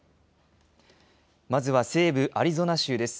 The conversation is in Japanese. まずは西部アリゾナ州です。